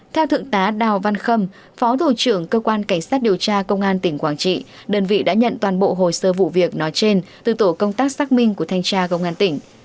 theo thượng tá đào văn khâm phó thủ trưởng cơ quan cảnh sát điều tra công an tỉnh quảng trị đơn vị đã nhận toàn bộ hồ sơ vụ việc nói trên từ tổ công tác xác minh của thanh tra công an tỉnh